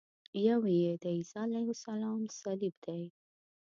یو یې د عیسی علیه السلام صلیب دی.